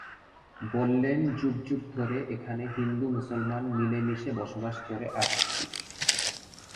বললেন যুগ যুগ ধরে এখানে হিন্দু মুসলমান মিলে মিশে বসবাস করে আসছি।